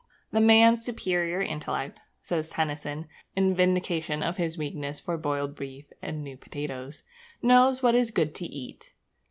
'The man of superior intellect,' says Tennyson, in vindication of his weakness for boiled beef and new potatoes, 'knows what is good to eat.'